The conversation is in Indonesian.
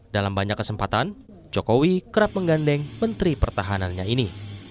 dalam banyak kesempatan jokowi kerap menggandeng menteri pertahanannya ini